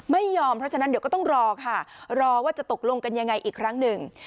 ไม่ยอมเพราะฉะนั้นเดี๋ยวก็ต้องรอค่ะรอว่าจะตกลงกันยังไงอีกครั้งหนึ่ง